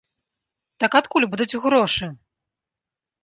Так адкуль будуць грошы?